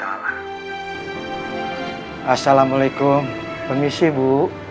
asalamu'alaikum permisi bu